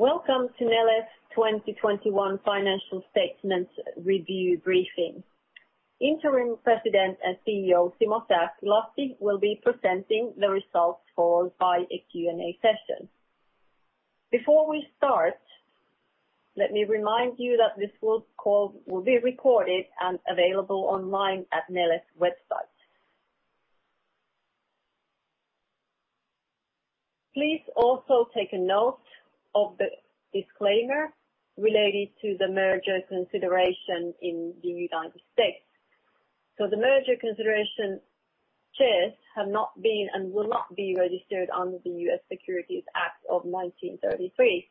Welcome to Neles 2021 financial statements review briefing. Interim President and CEO, Simo Sääskilahti will be presenting the results followed by a Q&A session. Before we start, let me remind you that this will be recorded and available online at Neles website. Please also take note of the disclaimer related to the merger consideration in the United States. The merger consideration shares have not been and will not be registered under the U.S. Securities Act of 1933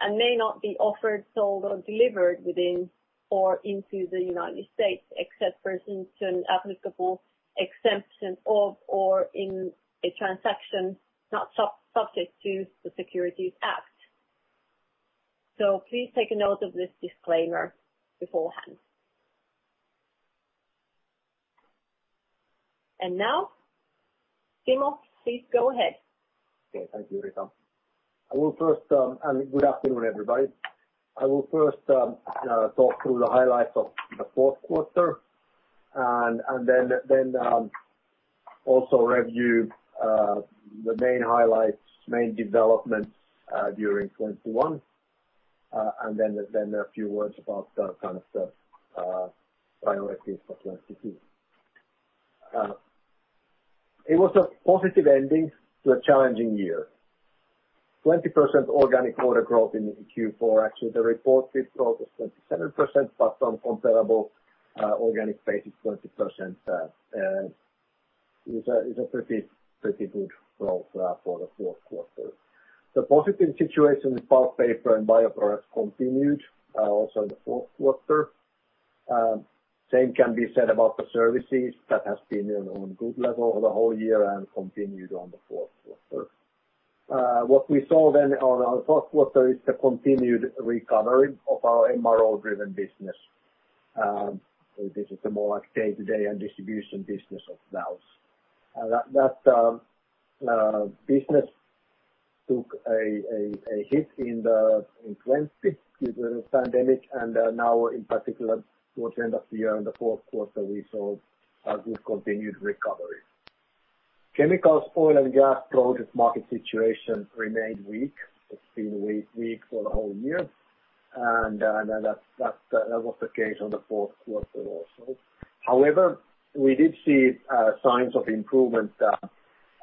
and may not be offered, sold or delivered within or into the United States, except pursuant to an applicable exemption from or in a transaction not subject to the Securities Act. Please take note of this disclaimer beforehand. Now, Simo Sääskilahti, please go ahead. Okay. Thank you, Rita. Good afternoon, everybody. I will first talk through the highlights of the fourth quarter and then also review the main highlights, main developments during 2021 and then a few words about kind of the priorities for 2022. It was a positive ending to a challenging year. 20% organic order growth in Q4. Actually, the reported growth was 27%, but on comparable organic basis, 20% is a pretty good growth for the fourth quarter. The positive situation with Pulp, Paper and Bioproducts continued also in the fourth quarter. Same can be said about the services that has been on good level the whole year and continued in the fourth quarter. What we saw then on our fourth quarter is the continued recovery of our MRO driven business. This is more like day-to-day and distribution business of valves. That business took a hit in 2020 with the pandemic and now in particular towards the end of the year, in the fourth quarter, we saw a good continued recovery. Chemicals, Oil and Gas projects market situation remained weak. It's been weak for the whole year, and that was the case on the fourth quarter also. However, we did see signs of improvement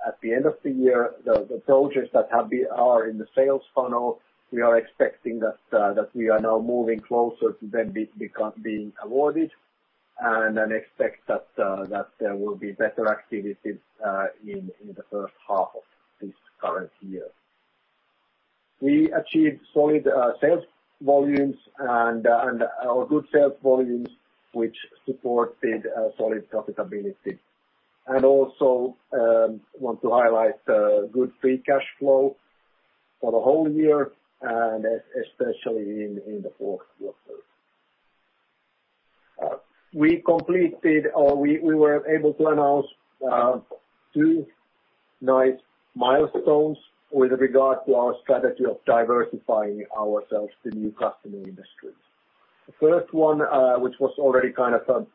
at the end of the year. The projects that are in the sales funnel, we are expecting that we are now moving closer to them being awarded and then expect that there will be better activities in the first half of this current year. We achieved solid sales volumes or good sales volumes which supported solid profitability. Also want to highlight good free cash flow for the whole year and especially in the fourth quarter. We were able to announce two nice milestones with regard to our strategy of diversifying ourselves to new customer industries. The first one, which was already kind of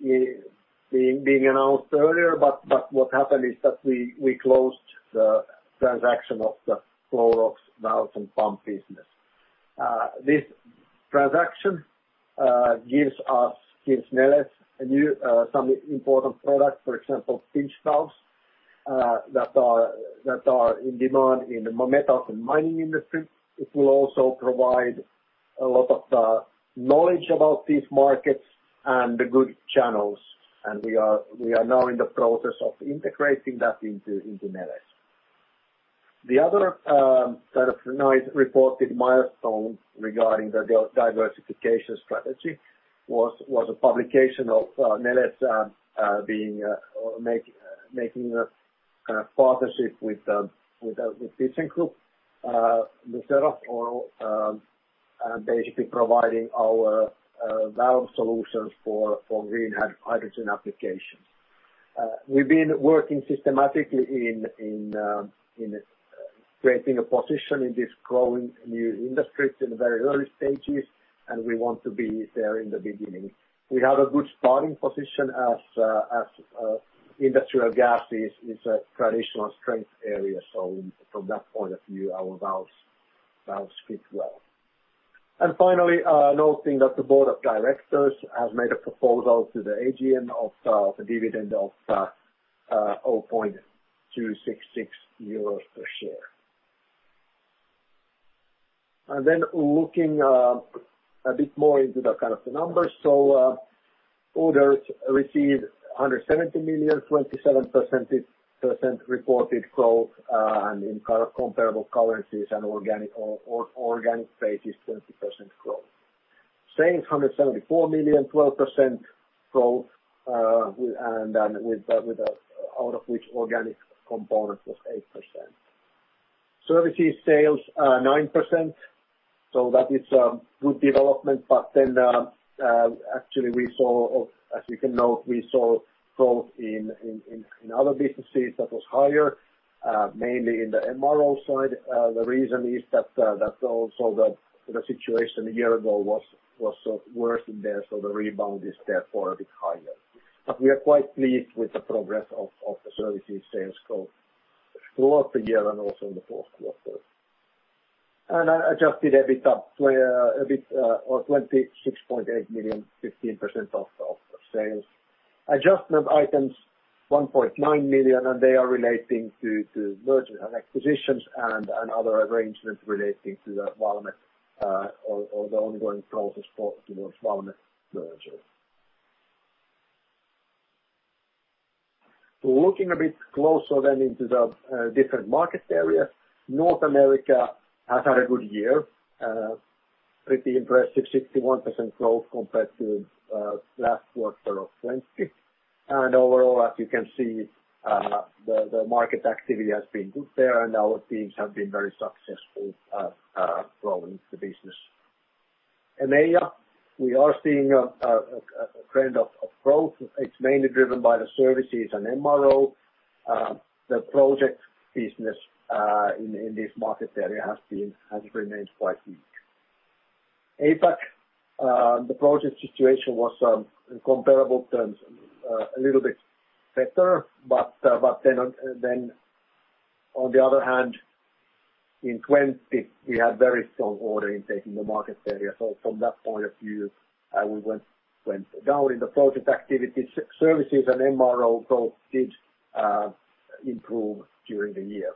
being announced earlier, but what happened is that we closed the transaction of the Flowrox valves and pumps business. This transaction gives Neles some important products, for example, pinch valves, that are in demand in the Metals and Mining industry. It will also provide a lot of knowledge about these markets and the sales channels. We are now in the process of integrating that into Neles. The other kind of nice reported milestone regarding the diversification strategy was a publication of Neles making a partnership with thyssenkrupp Uhde for basically providing our valve solutions for green hydrogen applications. We've been working systematically in creating a position in this growing new industry. It's in the very early stages, and we want to be there in the beginning. We have a good starting position as industrial gas is a traditional strength area. From that point of view, our valves fit well. Finally, noting that the board of directors has made a proposal to the AGM of a dividend of 0.266 euros per share. Then looking a bit more into the kind of the numbers. Orders received 170 million, 27% reported growth, and in comparable currencies and organic basis, 20% growth. Sales 174 million, 12% growth, out of which organic component was 8%. Services sales are 9%, that is good development. Actually we saw, as you can note, we saw growth in other businesses that was higher mainly in the MRO side. The reason is that also the situation a year ago was sort of worse than there, so the rebound is therefore a bit higher. We are quite pleased with the progress of the services sales growth throughout the year and also in the fourth quarter. Adjusted EBITDA 26.8 million, 15% of sales. Adjustment items 1.9 million, and they are relating to mergers and acquisitions and other arrangements relating to the Valmet or the ongoing process towards Valmet merger. Looking a bit closer into the different market area. North America has had a good year, pretty impressive, 61% growth compared to last quarter of 2020. Overall, as you can see, the market activity has been good there, and our teams have been very successful at growing the business. EMEA, we are seeing a trend of growth. It's mainly driven by the services and MRO. The project business in this market area has remained quite weak. APAC, the project situation was, in comparable terms, a little bit better. But then on the other hand, in 2020, we had very strong order intake in the market area. From that point of view, we went down in the project activity. Services and MRO both did improve during the year.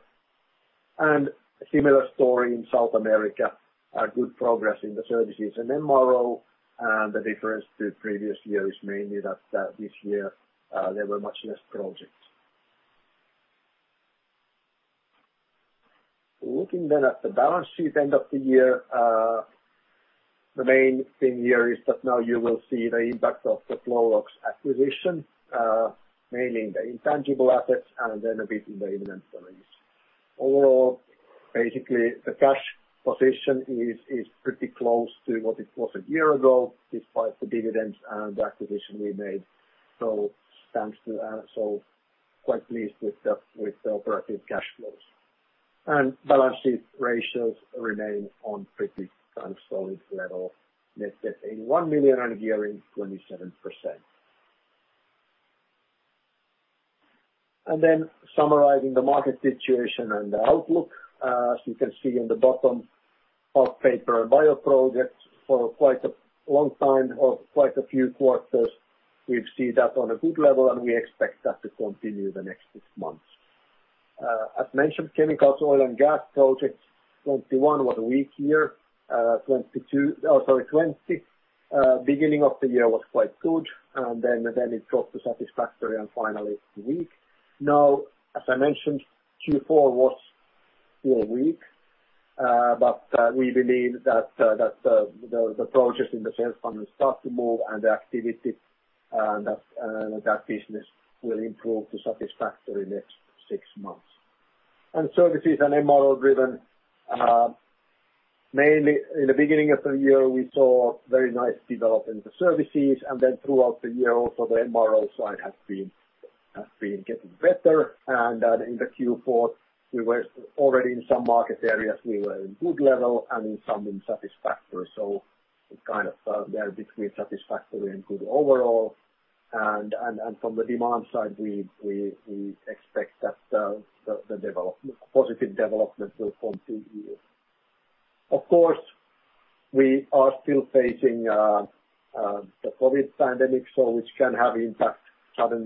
Similar story in South America, a good progress in the services. MRO, the difference to previous year is mainly that this year there were much less projects. Looking then at the balance sheet at the end of the year. The main thing here is that now you will see the impact of the Flowrox acquisition, mainly in the intangible assets and then a bit in the inventories. Overall, basically, the cash position is pretty close to what it was a year ago despite the dividends and acquisition we made, so quite pleased with the operating cash flows. And balance sheet ratios remain on solid level netting in EUR 1 million annual earning 27%. summarising the market situation and outlook as you can see in the bottom of paper and bio projects for quite a long time or quite a few quarters, we see that on a good level and expect that to continue in the next six months. as mentioned, Chemicals, Oil and Gas projects, beginning of the year was quite good, then it dropped to satisfactory, and finally weak. now, as i mentioned, q4 was weak, but, we believe that the projects start to move and the activity of that business will improve to satisfactory next six months. On Services and MRO-driven, mainly in the beginning of the year, we saw nice development in Services and then throughout the year, the MRO side has been getting better. And, in the Q4, we were already in some market areas, we were in good level and some in satisfactory. We were in satisfactory and good overall, and from the demand side, we expect positive development will continue. Of course, we are still facing the COVID pandemic so which can have an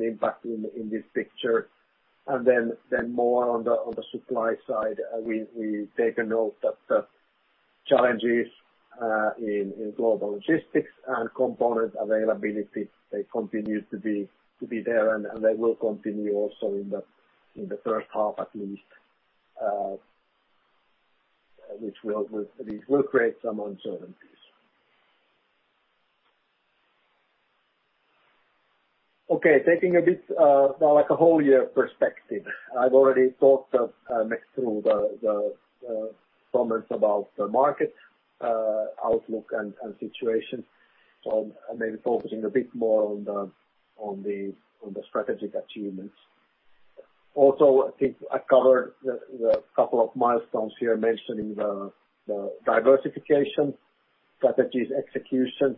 impact in this picture. And, then more on the supply side, we are taking note of the challenges in global logistics and component availability will continue to be there and they will continue in the first half at least which will create some uncertainties. Taking a bit, now like a whole year perspective. I've already talked through the comments about the market outlook and situation. Maybe focusing a bit more on the strategic achievements. Also, I think I covered a couple of milestones here mentioning the diversification strategies execution.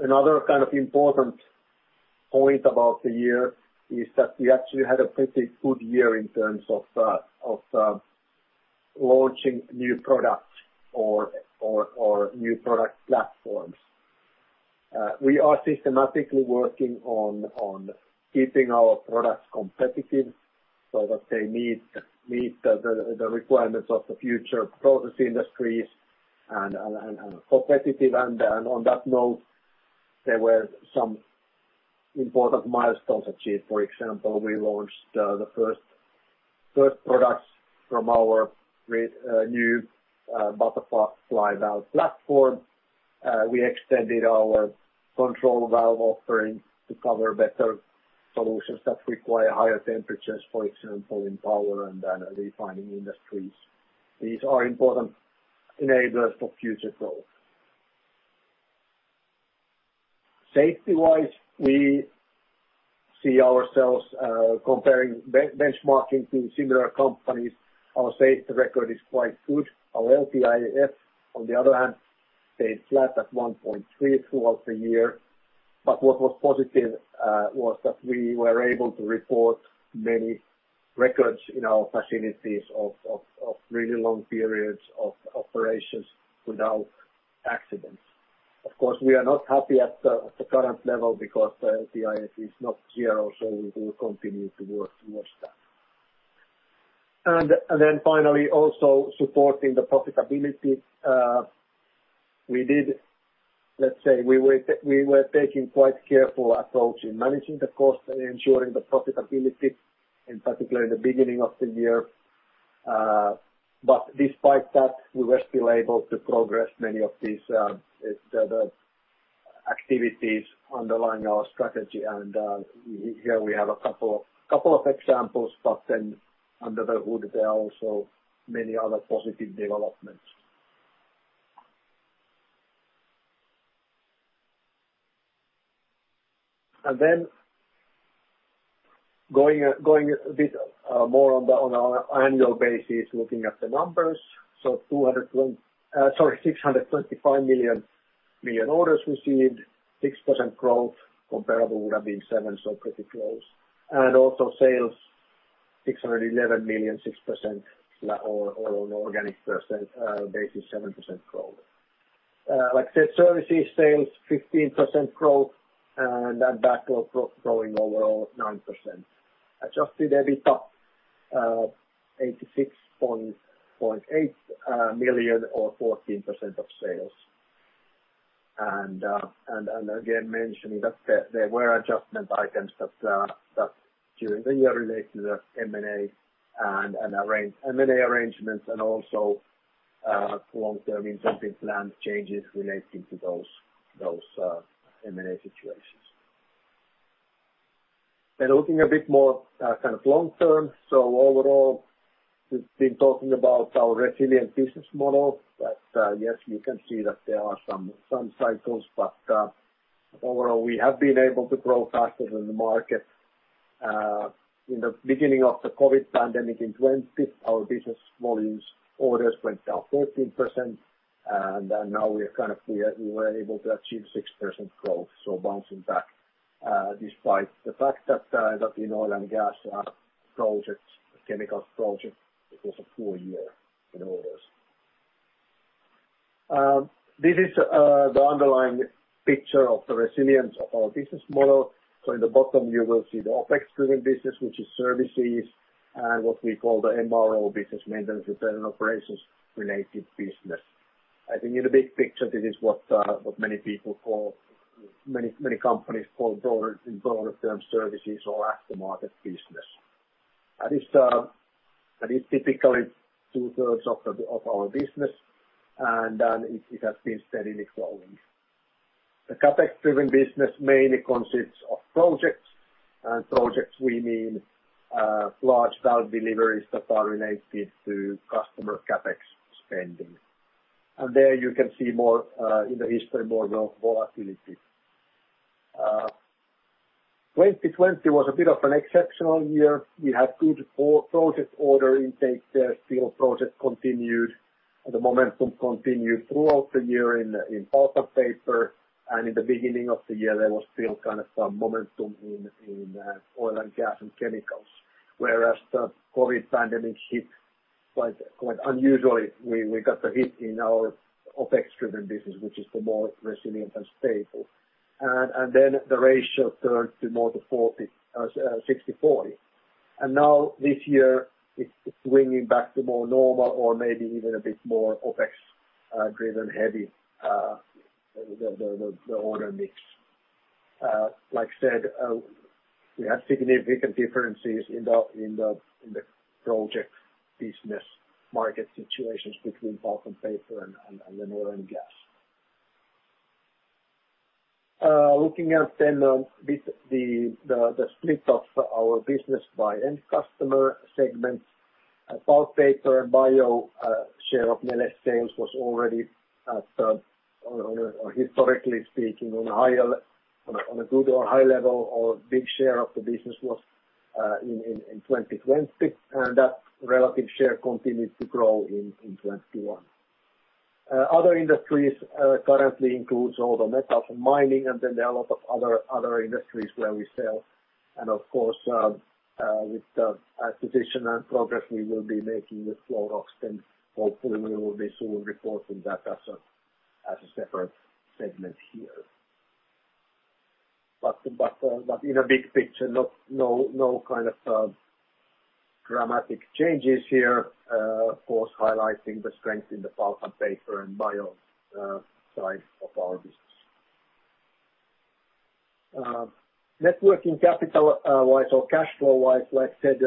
Another kind of important point about the year is that we actually had a pretty good year in terms of launching new products or new product platforms. We are systematically working on keeping our products competitive so that they meet the requirements of the future process industries and competitive. On that note, there were some important milestones achieved. For example, we launched the first products from our new butterfly valve platform. We extended our control valve offering to cover better solutions that require higher temperatures, for example, in Power and Refining industries. These are important enablers for future growth. Safety-wise, we see ourselves benchmarking to similar companies. Our safety record is quite good. Our LTIF, on the other hand, stayed flat at 1.3 throughout the year. What was positive was that we were able to report many records in our facilities of really long periods of operations without accidents. Of course, we are not happy at the current level because the LTIF is not zero, so we will continue to work towards that. Finally, also supporting the profitability, we were taking quite careful approach in managing the cost and ensuring the profitability, in particular in the beginning of the year. Despite that, we were still able to progress many of these the activities underlying our strategy. Here we have a couple of examples, but then under the hood, there are also many other positive developments. Then going a bit more on our annual basis, looking at the numbers. 625 million orders received, 6% growth. Comparable would have been 7%, so pretty close. Also sales 611 million, 6% or on organic percent basis, 7% growth. Like said, services sales 15% growth, and that backlog growing overall 9%. Adjusted EBITDA 86.8 million or 14% of sales. Again mentioning that there were adjustment items that during the year relate to the M&A and M&A arrangements and also long-term incentive plan changes relating to those M&A situations. Looking a bit more kind of long-term. Overall, we've been talking about our resilient business model. Yes, you can see that there are some cycles, but overall, we have been able to grow faster than the market. In the beginning of the COVID pandemic in 2020, our business volumes orders went down 13%, and then now we are kind of here. We were able to achieve 6% growth. Bouncing back, despite the fact that in Oil and Gas projects, chemical projects, it was a poor year in orders. This is the underlying picture of the resilience of our business model. In the bottom you will see the OPEX-driven business, which is services and what we call the MRO business, maintenance, repair and operations related business. I think in the big picture, this is what many people call. Many companies call broader term services or aftermarket business. That is typically 2/3 of our business, and then it has been steadily growing. The CapEx-driven business mainly consists of projects. Projects we mean large valve deliveries that are related to customer CapEx spending. There you can see more in the history, more volatility. 2020 was a bit of an exceptional year. We had good project order intake there. Still project continued, and the momentum continued throughout the year in Pulp and Paper. In the beginning of the year, there was still kind of some momentum in Oil and Gas and Chemicals. Whereas the COVID pandemic hit quite unusually, we got the hit in our OPEX-driven business, which is the more resilient and stable. Then the ratio turned to more 60/40. Now this year it's swinging back to more normal or maybe even a bit more OPEX-driven heavy, the order mix. Like I said, we have significant differences in the project business market situations between Pulp and Paper and the Oil and Gas. Looking at then, the split of our business by end customer segments. Pulp, Paper and Bio share of Neles sales was already at a, historically speaking, on a good or high level in 2020. That relative share continued to grow in 2021. Other industries currently includes all the Metals and Mining. Then there are a lot of other industries where we sell. Of course, with the acquisition and progress we will be making with Flowrox, hopefully we will be soon reporting that as a separate segment here. In a big picture, no kind of dramatic changes here. Of course, highlighting the strength in the Pulp and Paper and Bio side of our business. Working capital wise or cash flow wise, like I said,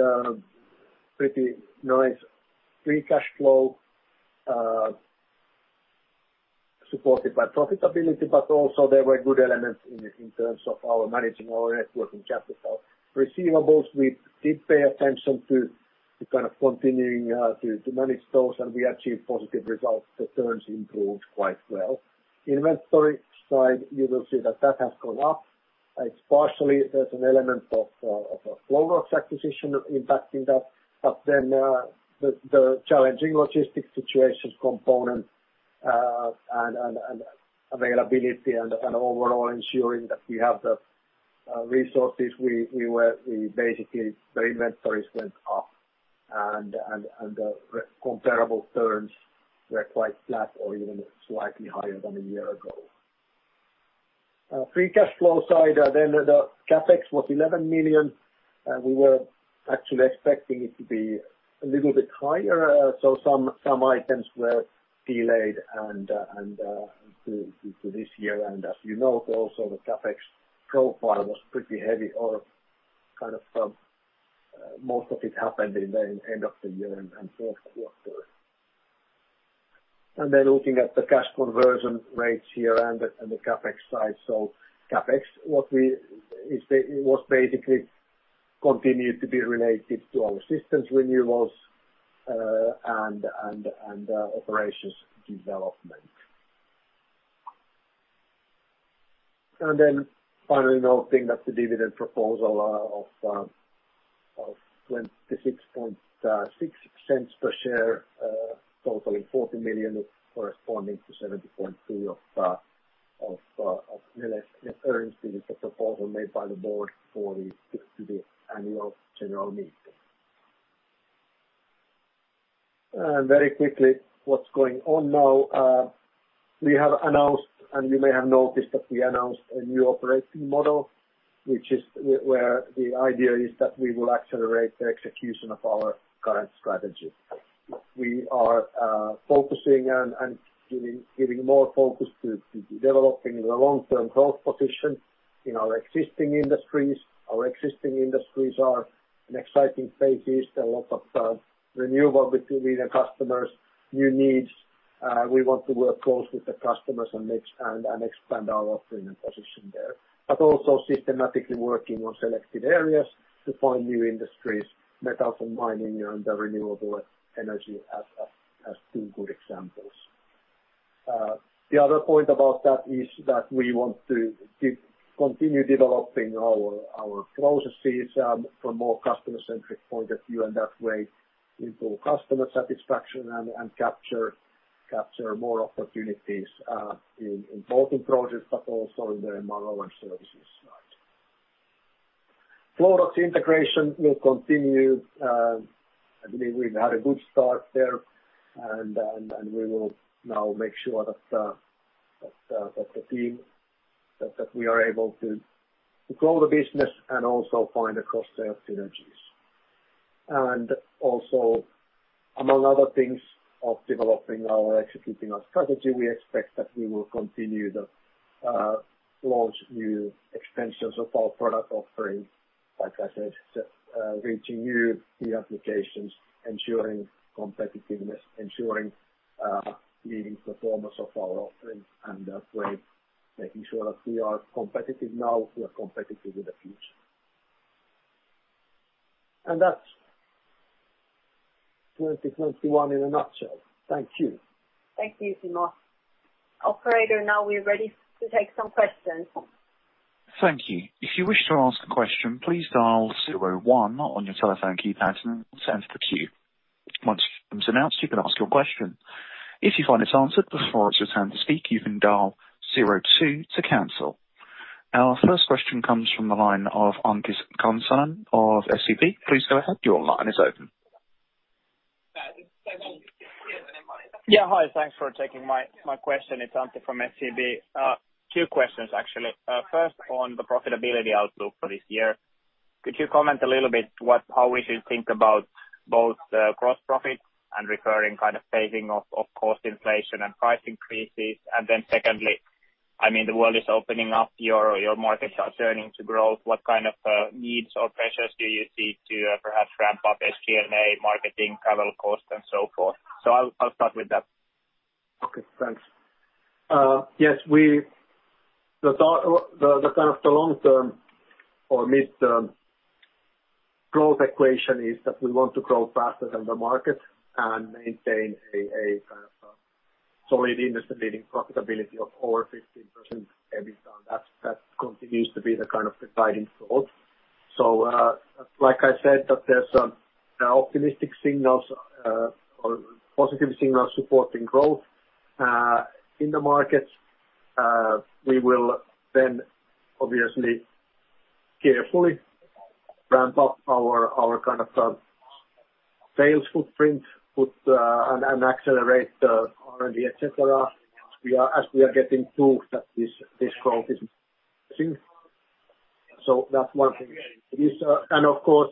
pretty nice free cash flow, supported by profitability, but also there were good elements in terms of our managing our working capital receivables. We did pay attention to kind of continuing to manage those, and we achieved positive results. The terms improved quite well. Inventory side, you will see that has gone up. It's partially. There's an element of a Flowrox acquisition impacting that. The challenging logistics situations component and availability and overall ensuring that we have the resources. Basically, the inventories went up and comparable terms were quite flat or even slightly higher than a year ago. On the free cash flow side, then the CapEx was 11 million. We were actually expecting it to be a little bit higher. Some items were delayed and to this year. As you know, also the CapEx profile was pretty heavy or kind of most of it happened in the end of the year and fourth quarter. Looking at the cash conversion rates year end and the CapEx side. CapEx, it was basically continued to be related to our systems renewals, and operations development. Finally noting that the dividend proposal of 0.266 per share, totaling 40 million corresponding to 70.2% of net earnings is the proposal made by the board to the annual general meeting. Very quickly, what's going on now? We have announced and you may have noticed that we announced a new operating model, which is where the idea is that we will accelerate the execution of our current strategy. We are focusing and giving more focus to developing the long-term growth position in our existing industries. Our existing industries are an exciting phase. There's a lot of renewal between the customers' new needs. We want to work close with the customers and expand our offering and position there. Also systematically working on selected areas to find new industries, Metals and Mining and the Renewable Energy as two good examples. The other point about that is that we want to keep continue developing our processes from more customer-centric point of view. That way improve customer satisfaction and capture more opportunities in involving projects, but also in the MRO and services side. Flowrox integration will continue. I believe we've had a good start there. We will now make sure that we are able to grow the business and also find the cross-sell synergies. Also, among other things of developing our Executing our strategy, we expect that we will continue the launch new extensions of our product offerings. Like I said, reaching new key applications, ensuring competitiveness, ensuring leading performance of our offerings, and that way making sure that we are competitive now, we are competitive in the future. That's 2021 in a nutshell. Thank you. Thank you, Simo. Operator, now we're ready to take some questions. Thank you. If you wish to ask a question, please dial zero one on your telephone keypad and then press the queue. Once your name is announced, you can ask your question. If you find it's answered before it's your turn to speak, you can dial zero two to cancel. Our first question comes from the line of Antti Kansanen of SEB. Please go ahead. Your line is open. Yeah. Hi. Thanks for taking my question. It's Antti from SEB. Two questions actually. First, on the profitability outlook for this year. Could you comment a little bit on how we should think about both gross profit and revenue kind of phasing of cost inflation and price increases? Then secondly, I mean, the world is opening up. Your markets are turning to growth. What kind of needs or pressures do you see to perhaps ramp up SG&A, marketing, travel costs and so forth? I'll start with that. Okay. Thanks. Yes. The kind of the long-term or midterm growth equation is that we want to grow faster than the market and maintain a kind of solid industry-leading profitability of over 15% EBITA. That continues to be the kind of the guiding thought. Like I said, that there's optimistic signals or positive signals supporting growth in the markets. We will then obviously carefully ramp up our kind of sales footprint and accelerate the R&D, et cetera, as we are getting proof that this growth is seen. That's one thing. Of course,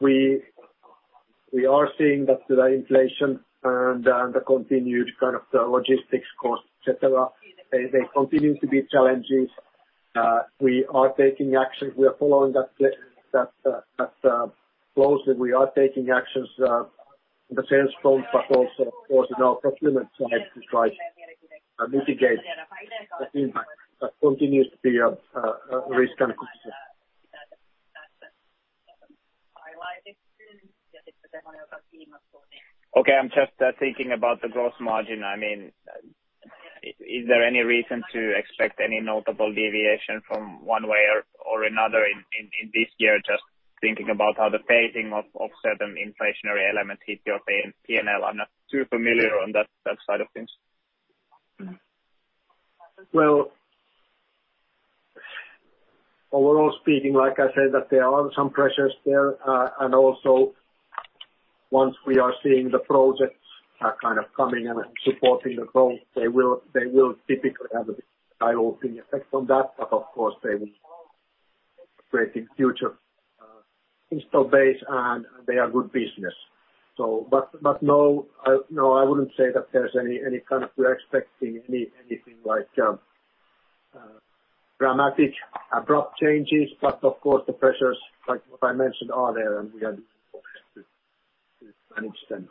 we are seeing that the inflation and the continued kind of logistics costs, et cetera, they continue to be challenges. We are taking action. We are following that closely. We are taking actions in the sales front, but also of course in our procurement side to try to mitigate that impact. That continues to be a risk and a concern. Okay. I'm just thinking about the gross margin. I mean, is there any reason to expect any notable deviation from one way or another in this year? Just thinking about how the pacing of certain inflationary elements hit your P&L. I'm not too familiar on that side of things. Well, overall speaking, like I said, that there are some pressures there. Also once we are seeing the projects kind of coming and supporting the growth, they will typically have a bit eye-opening effect on that. Of course, they will create the future installed base and they are good business. No, I wouldn't say that there's any kind of we're expecting anything like dramatic abrupt changes. Of course, the pressures, like what I mentioned, are there and we are focused to manage them.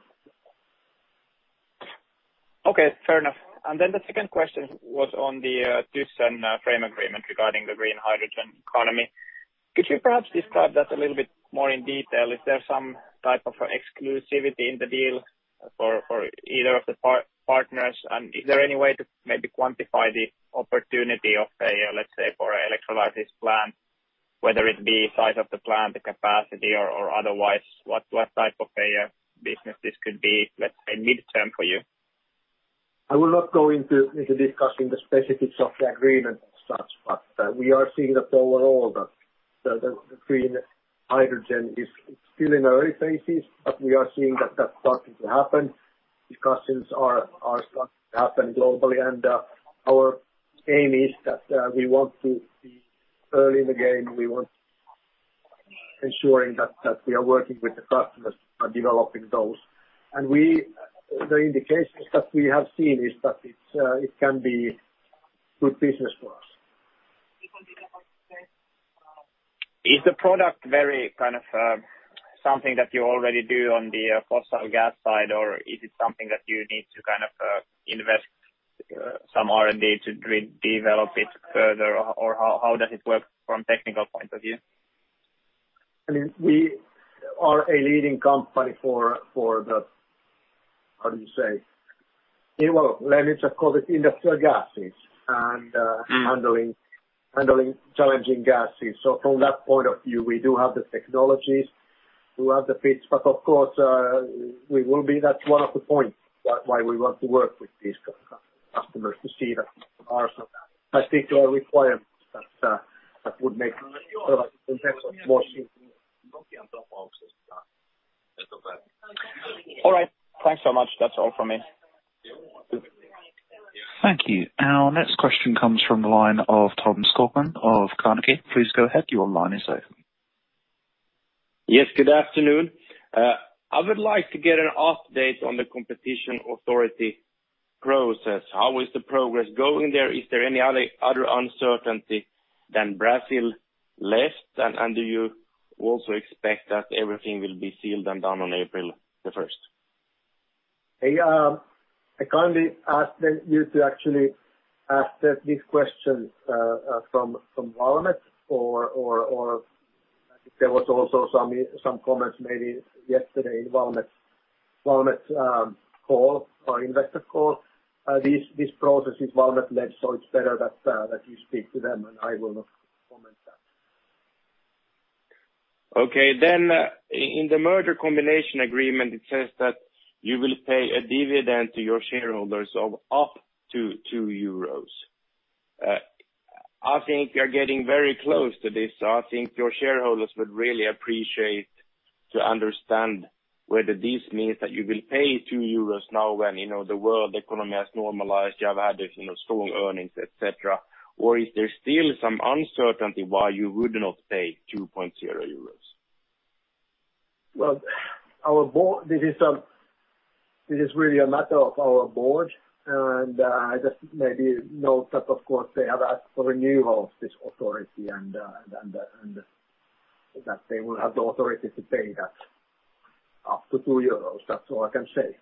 Okay, fair enough. The second question was on the Thyssen Frame Agreement regarding the green hydrogen economy. Could you perhaps describe that a little bit more in detail? Is there some type of exclusivity in the deal for either of the partners? Is there any way to maybe quantify the opportunity of a, let's say, for electrolysis plant? Whether it be size of the plant, the capacity or otherwise, what type of a business this could be, let's say, midterm for you? I will not go into discussing the specifics of the agreement as such. We are seeing that overall the green hydrogen is still in early phases, but we are seeing that that's starting to happen. Discussions are starting to happen globally. Our aim is that we want to be early in the game. We want ensuring that we are working with the customers who are developing those. The indications that we have seen is that it can be good business for us. Is the product very kind of something that you already do on the fossil gas side, or is it something that you need to kind of invest some R&D to re-develop it further? Or how does it work from technical point of view? I mean, we are a leading company for the. How do you say? Well, let me just call it industrial gases and. Mm. Handling challenging gases. From that point of view, we do have the technologies, we have the bits. But of course, that's one of the points why we want to work with these customers to see that there are some that fit your requirements that would make sense more. All right. Thanks so much. That's all from me. Thank you. Our next question comes from the line of Tom Skogman of Carnegie. Please go ahead. Your line is open. Yes, good afternoon. I would like to get an update on the competition authority process. How is the progress going there? Is there any other uncertainty than Brazil left? Do you also expect that everything will be sealed and done on April the first? Hey, I kindly ask that you to actually ask these questions from Valmet or there was also some comments maybe yesterday in Valmet's call or investor call. This process is Valmet led, so it's better that you speak to them, and I will not comment that. Okay. In the merger combination agreement, it says that you will pay a dividend to your shareholders of up to 2 euros. I think you're getting very close to this. I think your shareholders would really appreciate to understand whether this means that you will pay 2 euros now when, you know, the world economy has normalized, you have had, you know, strong earnings, et cetera. Is there still some uncertainty why you would not pay 2.0 euros? This is really a matter of our board. I just maybe note that of course, they have asked for renewal of this authority and that they will have the authority to pay that up to 2 euros. That's all I can say.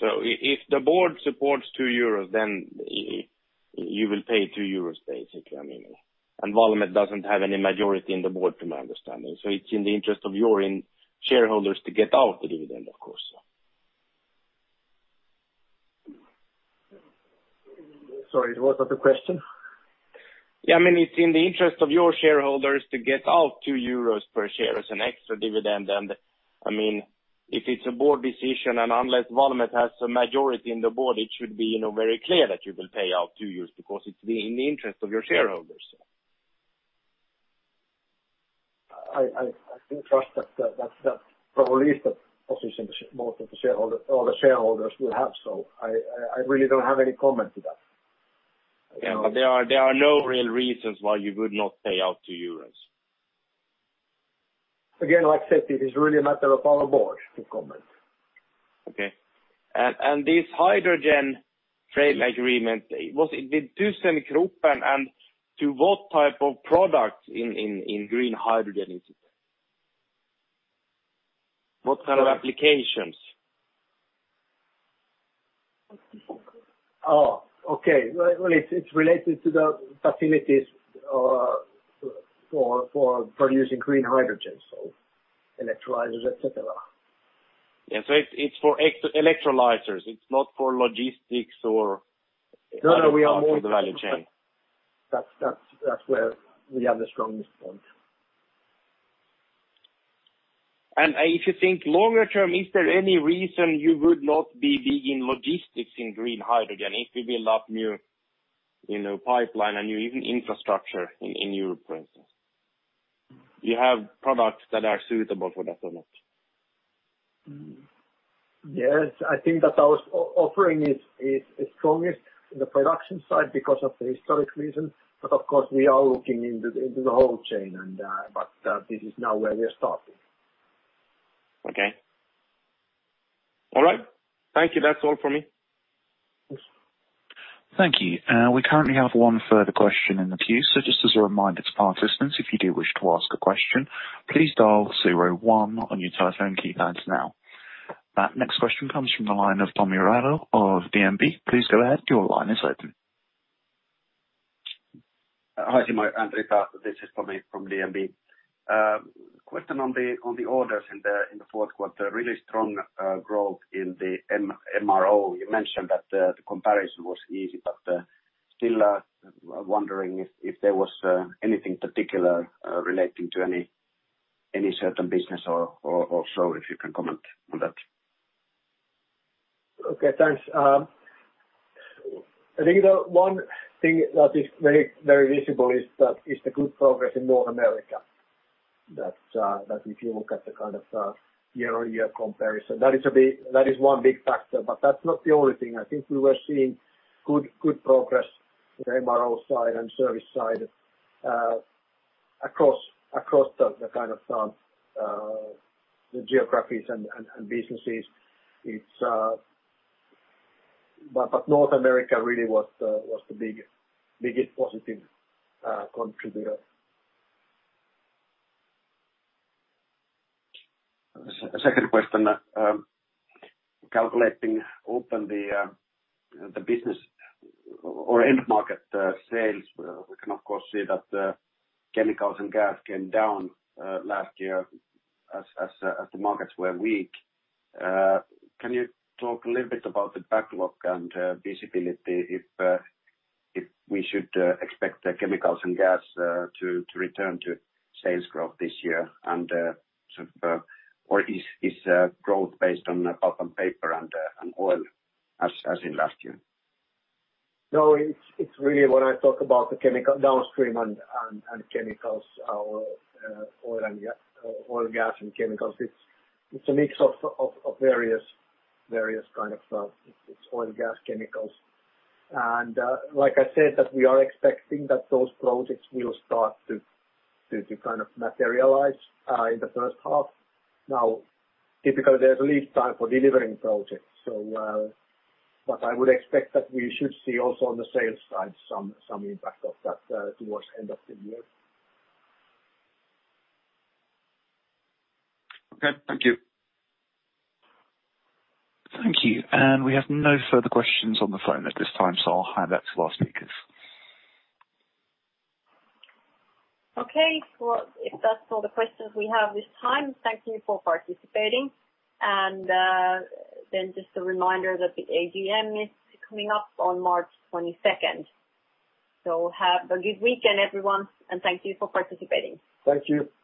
If the board supports 2 euros, then you will pay 2 euros basically, I mean. Valmet doesn't have any majority in the board, to my understanding. It's in the interest of your shareholders to get out the dividend, of course. Sorry, what was the question? Yeah, I mean, it's in the interest of your shareholders to get out 2 euros per share as an extra dividend. I mean, if it's a board decision, and unless Valmet has a majority in the board, it should be, you know, very clear that you will pay out 2 because it's in the interest of your shareholders. I think that's the position most of the shareholder or the shareholders will have. I really don't have any comment to that. Yeah, there are no real reasons why you would not pay out 2 euros. Again, like I said, it is really a matter of our board to comment. Okay. This hydrogen freight agreement, was it with ThyssenKrupp and to what type of products in green hydrogen is it? What kind of applications? Oh, okay. Well, it's related to the facilities for producing green hydrogen, so electrolyzers, et cetera. Yeah. It's for ex-electrolyzers. It's not for logistics or- No, we are more. Other parts of the value chain. That's where we have the strongest point. If you think longer term, is there any reason you would not be big in logistics in green hydrogen if you build up new, you know, pipeline and new even infrastructure in Europe, for instance? You have products that are suitable for that or not? Yes. I think that our offering is strongest in the production side because of the historic reason. Of course, we are looking into the whole chain, but this is now where we're starting. Okay. All right. Thank you. That's all for me. Thank you. We currently have one further question in the queue. Just as a reminder to participants, if you do wish to ask a question, please dial zero one on your telephone keypads now. That next question comes from the line of Tomi Railo of DNB. Please go ahead, your line is open. Hi, Simo and Rita. This is Tomi from DNB. Question on the orders in the fourth quarter, really strong growth in the MRO. You mentioned that the comparison was easy, but still wondering if there was anything particular relating to any certain business or so. If you can comment on that. Okay, thanks. I think the one thing that is very, very visible is the good progress in North America that if you look at the year-on-year comparison, that is one big factor. That's not the only thing. I think we were seeing good progress in the MRO side and service side across the kind of geographies and businesses. It's North America really was the biggest positive contributor. Second question. Looking at the business and end-market sales, we can of course see that Chemicals and Gas came down last year as the markets were weak. Can you talk a little bit about the backlog and visibility if we should expect the Chemicals and Gas to return to sales growth this year? Or is growth based on Pulp and Paper and Oil as in last year? No, it's really when I talk about the chemical downstream and Chemicals or Oil, Gas and Chemicals. It's a mix of various kinds of Oil, Gas, Chemicals. Like I said, we are expecting that those projects will start to kind of materialize in the first half. Now, typically, there's lead time for delivering projects, so but I would expect that we should see also on the sales side some impact of that towards end of the year. Okay. Thank you. Thank you. We have no further questions on the phone at this time, so I'll hand back to our speakers. Okay. Well, if that's all the questions we have this time, thank you for participating. Just a reminder that the AGM is coming up on March 22. Have a good weekend, everyone, and thank you for participating. Thank you.